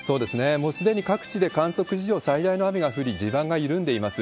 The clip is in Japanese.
もうすでに各地で観測史上最大の雨が降り、地盤が緩んでいます。